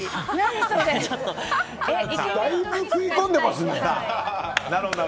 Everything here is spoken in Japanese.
だいぶ食い込んでますね。